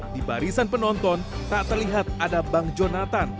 di barisan penonton tak terlihat ada bang jonathan